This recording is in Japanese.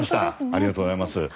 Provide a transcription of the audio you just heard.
ありがとうございます。